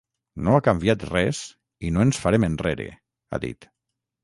No ha canviat res i no ens farem enrere, ha dit.